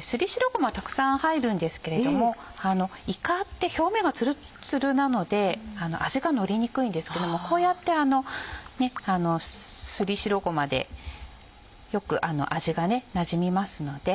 すり白ごまたくさん入るんですけれどもいかって表面がつるっつるなので味がのりにくいんですけどもこうやってすり白ごまでよく味がなじみますので。